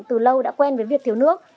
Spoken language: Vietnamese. từ lâu đã quen với việc thiếu nước